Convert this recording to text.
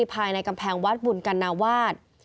ภายในกำแพงวัดบุญกัณวาส